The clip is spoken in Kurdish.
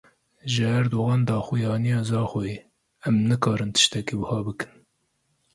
Ji Erdogan daxuyaniya Zaxoyê; Em nikarin tiştekî wiha bikin.